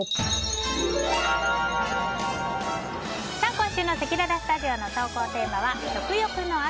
今週のせきららスタジオの投稿テーマは食欲の秋！